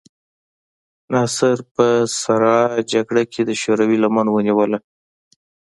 ناصر په سړه جګړه کې د شوروي لمن ونیوله.